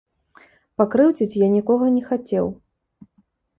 Пакрыўдзіць я нікога не хацеў.